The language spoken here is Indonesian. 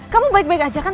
kamu baik baik aja kan